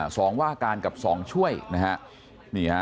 สองว่าการกับสองช่วยนะฮะ